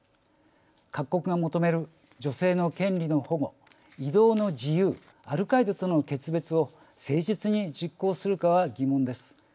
各国が求める女性の権利の保護、移動の自由アルカイダとの決別を誠実に実行するかは疑問です。